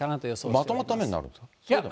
まとまった雨になるんですか？